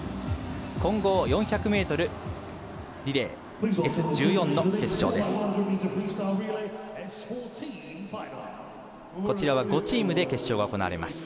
混合４００ｍリレーＳ１４の決勝です。